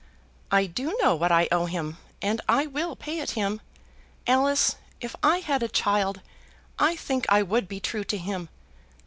"I do know what I owe him, and I will pay it him. Alice, if I had a child I think I would be true to him.